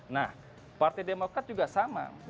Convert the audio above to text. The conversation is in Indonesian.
nah partai demokrat juga sama